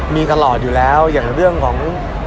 มีตลอดอยู่แล้วอย่างเรื่องของ